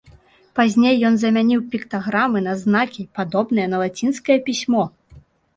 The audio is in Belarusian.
Пазней ён замяніў піктаграмы на знакі, падобныя на лацінскае пісьмо.